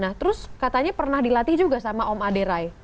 nah terus katanya pernah dilatih juga sama om aderai